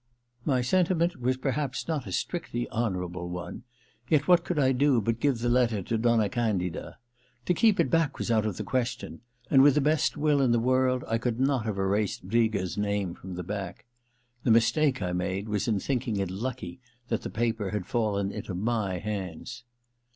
My sentiment was perhaps not a strictly honourable one ; yet what could I do but give the letter to Donna Candida? To keep it back was out of the question ; and with the best will in the world I could not have erased Briga*s name from the back. The mistake I made was in thinking it lucky that the paper had fallen into my hands.